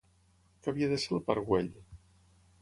Què havia de ser el Parc Güell?